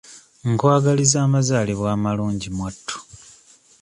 Nkwagaliza amazaalibwa amalungi mwattu.